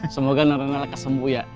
semoga norena kesembuh ya